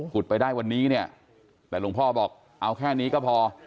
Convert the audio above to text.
ไปได้วันนี้เนี่ยแต่หลวงพ่อบอกเอาแค่นี้ก็พอ